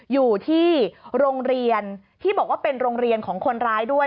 อยู่ที่โรงเรียนที่บอกว่าเป็นโรงเรียนของคนร้ายด้วย